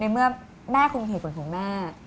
เพราะว่าแม่คงมีเหตุผลของแม่